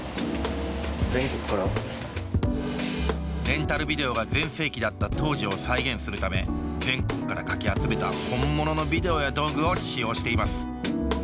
レンタルビデオが全盛期だった当時を再現するため全国からかき集めた本物のビデオや道具を使用しています。